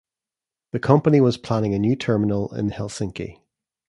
The company was planning a new terminal in Helsinki.